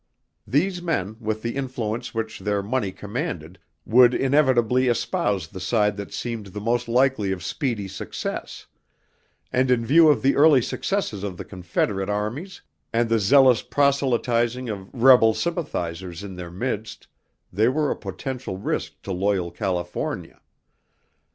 These men, with the influence which their money commanded, would inevitably espouse the side that seemed the most likely of speedy success; and in view of the early successes of the Confederate armies and the zealous proselytizing of rebel sympathizers in their midst they were a potential risk to loyal California.